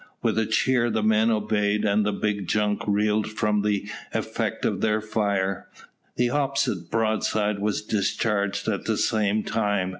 With a cheer, the men obeyed, and the big junk reeled from the effect of their fire. The opposite broadside was discharged at the same time.